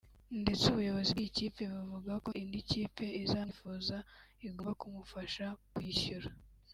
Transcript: ndetse ubuyobozi bw’iyi kipe buvuga ko indi kipe izamwifuza igomba kumufasha kuyishyura